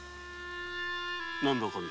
何だ？